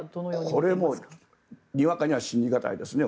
これもにわかには信じ難いですね。